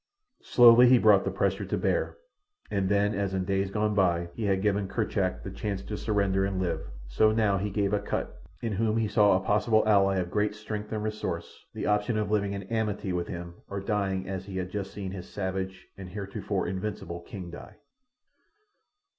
Slowly he brought the pressure to bear, and then as in days gone by he had given Kerchak the chance to surrender and live, so now he gave to Akut—in whom he saw a possible ally of great strength and resource—the option of living in amity with him or dying as he had just seen his savage and heretofore invincible king die.